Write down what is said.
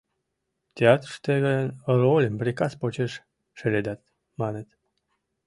Театрыште гын рольым приказ почеш шеледат, маныт.